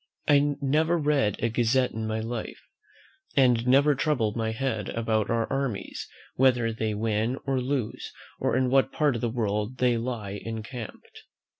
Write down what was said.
I never read a gazette in my life; and never trouble my head about our armies, whether they win or lose, or in what part of the world they lie encamped."